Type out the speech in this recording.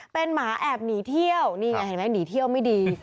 เป็นหมาแอบหนีเที่ยวนี่ไงเห็นไหมหนีเที่ยวไม่ดี